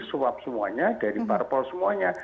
suap semuanya dari parpol semuanya